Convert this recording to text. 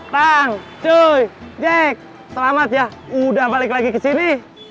tang cuy jack selamat ya udah balik lagi kesini